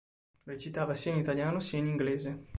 Recitava sia in italiano sia in inglese.